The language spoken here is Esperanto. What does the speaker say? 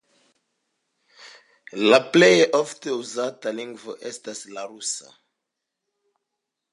La plej ofte uzata lingvo estas la rusa.